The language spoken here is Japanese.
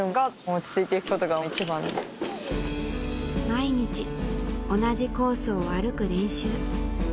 毎日同じコースを歩く練習